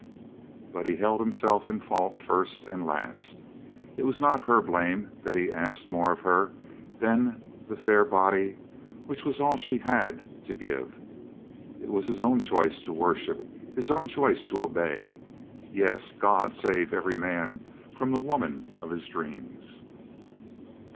But he held himself in fault first and Last. It was not her blame that he asked more of her than the fair body which was all she had to give. It was his own choice to worship, his own choice to obey. Yes, God save every man from the woman of his dreams.